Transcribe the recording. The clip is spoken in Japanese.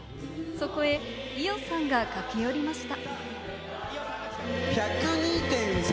そこへ伊代さんが駆け寄りました。